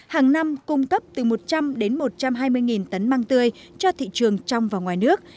hàng năm cung cấp từ một trăm linh đến một trăm hai mươi tấn măng tươi cho thị trường trong và ngoài nước